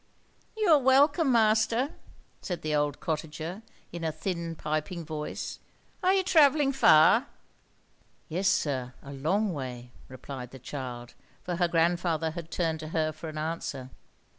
"You are welcome, master," said the old cottager, in a thin, piping voice. "Are you travelling far?" "Yes, sir; a long way," replied the child, for her grandfather had turned to her for an answer.